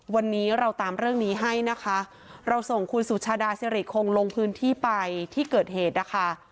วันนี้เราตามเรื่องนี้ให้นะคะเราส่งคุณสุชาดาสิริคงลงพื้นที่ไปที่เกิดเหตุนะคะ